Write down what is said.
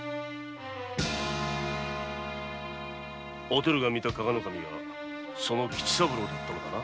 お照が見た加賀守はその吉三郎だったのかな。